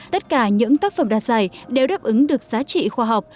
tất cả những tác phẩm đạt giải đều đáp ứng được giá trị khoa học